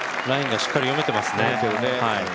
ラインがしっかり読めてますね。